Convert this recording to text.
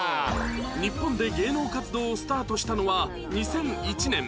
日本で芸能活動をスタートしたのは２００１年